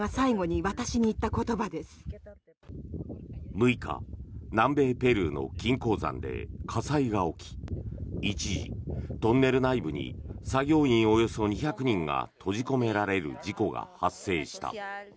６日、南米ペルーの金鉱山で火災が起き一時、トンネル内部に作業員およそ２００人が閉じ込められる事故が発生した。